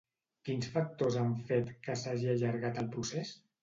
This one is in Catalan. Quins factors han fet que s'hagi allargat el procés?